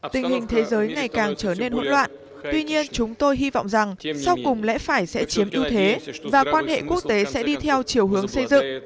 tình hình thế giới ngày càng trở nên hỗn loạn tuy nhiên chúng tôi hy vọng rằng sau cùng lẽ phải sẽ chiếm ưu thế và quan hệ quốc tế sẽ đi theo chiều hướng xây dựng